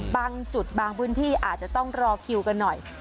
บางจุดบางพื้นที่อาจจะต้องรอคิวกันหน่อย